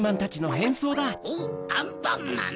おっアンパンマン！